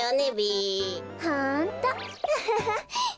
アハハ！